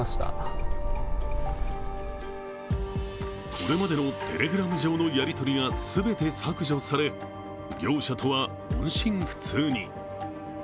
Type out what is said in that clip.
これまでのＴｅｌｅｇｒａｍ上のやり取りが全て削除され、業者とは音信不通に。